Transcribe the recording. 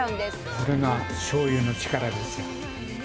これがしょうゆの力ですよ。